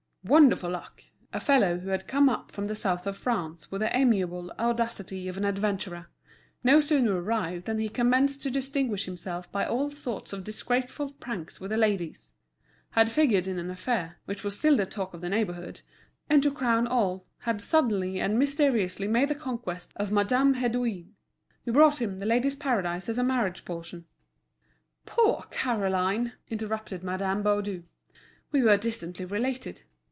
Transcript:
Wonderful luck! A fellow who had come up from the South of France with the amiable audacity of an adventurer; no sooner arrived than he commenced to distinguish himself by all sorts of disgraceful pranks with the ladies; had figured in an affair, which was still the talk of the neighbourhood; and to crown all, had suddenly and mysteriously made the conquest of Madame Hédouin, who brought him The Ladies' Paradise as a marriage portion. "Poor Caroline!" interrupted Madame Baudu. "We were distantly related.